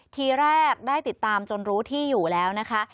ทีแรกได้ติดตามจนรู้ที่อยู่แล้วนะคะ